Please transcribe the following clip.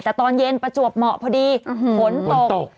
แต่ตอนเย็นประจวบเหมาะพอดีฝนตก